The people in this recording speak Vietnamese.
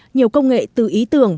nhiều công nghệ từ ý tưởng